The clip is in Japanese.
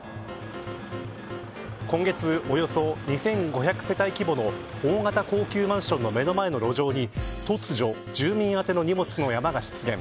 今月、およそ２５００世帯規模の大型高級マンションの目の前の路上に突如、住民宛ての荷物の山が出現。